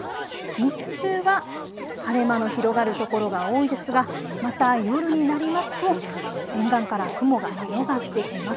日中は晴れ間の広がる所が多いですがまた夜になりますと沿岸から雲が広がってきます。